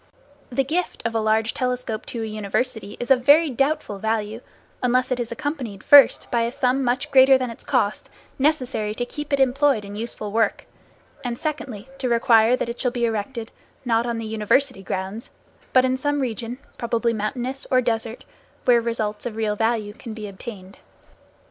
The gift of a large telescope to a university is of very doubtful value, unless it is accompanied, first, by a sum much greater than its cost, necessary to keep it employed in useful work, and secondly, to require that it shall be erected, not on the university grounds, but in some region, probably mountainous or desert, where results of real value can be obtained.